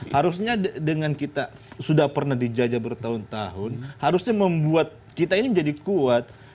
harusnya dengan kita sudah pernah dijajah bertahun tahun harusnya membuat kita ini menjadi kuat